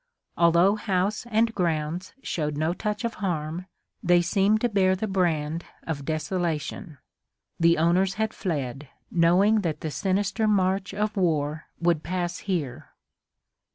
Although house and grounds showed no touch of harm, they seemed to bear the brand of desolation. The owners had fled, knowing that the sinister march of war would pass here.